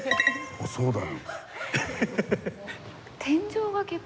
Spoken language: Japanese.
あっそうだよ。